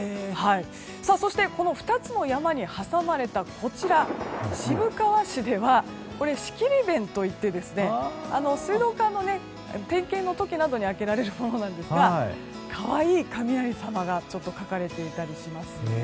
そして、この２つの山に挟まれた渋川市ではこちらは仕切弁といって水道管の点検の時に開けられるものですが可愛い雷様が描かれていたりします。